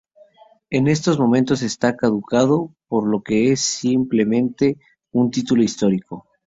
En estos momentos está caducado, por lo que es simplemente, un Título histórico.